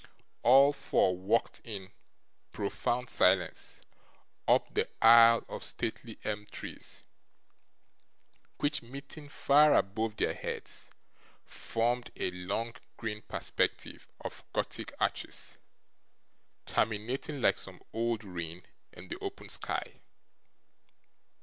All four walked in profound silence up the aisle of stately elm trees, which, meeting far above their heads, formed a long green perspective of Gothic arches, terminating, like some old ruin, in the open sky.